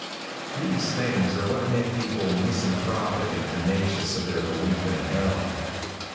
These things are what make people misanthropic and tenacious of their belief in a hell.